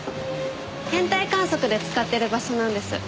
天体観測で使ってる場所なんです。